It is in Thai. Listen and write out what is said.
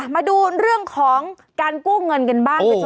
มาดูเรื่องของการกู้เงินกันบ้าง